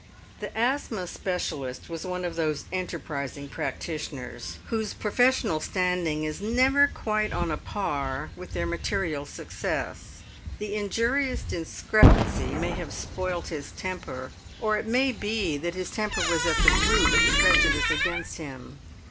The asthma specialist was one of those enterprising practitioners whose professional standing is never quite on a par with their material success. The injurious discrepancy may have spoilt his temper, or it may be that his temper was at the root of the prejudice against him.